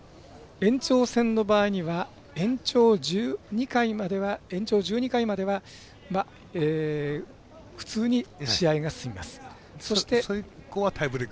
延長戦の場合には延長１２回までは普通に試合が進みます。